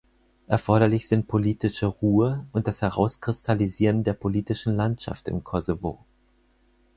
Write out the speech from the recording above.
Erforderlich sind politische Ruhe und das Herauskristallisieren der politischen Landschaft im Kosovo.